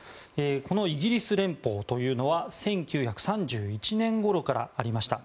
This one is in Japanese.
このイギリス連邦というのは１９３１年ごろからありました。